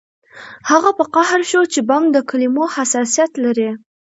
هغه په قهر شو چې بم د کلمو حساسیت لري